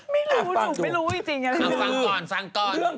ไม่รู้ไม่รู้จริง